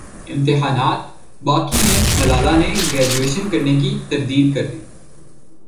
امتحانات باقی ہیں ملالہ نے گریجویشن کرنے کی تردید کردی